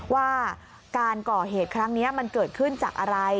ว่าการก่อเหตุครั้งนี้มันเกิดขึ้นจากอะไร